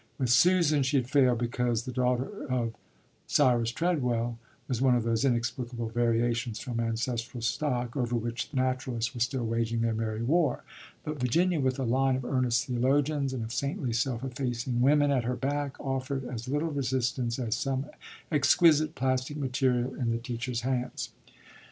With Susan she had failed, because the daughter of Cyrus Treadwell was one of those inexplicable variations from ancestral stock over which the naturalists were still waging their merry war; but Virginia, with a line of earnest theologians and of saintly self effacing women at her back, offered as little resistance as some exquisite plastic material in the teacher's hands.